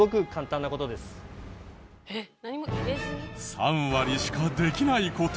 ３割しかできない事。